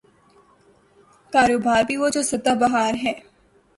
کاروبار بھی وہ جو صدا بہار ہے۔